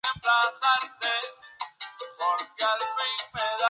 Sin embargo, su condición ya estaba deteriorada, y no dio continuidad a estudios serios.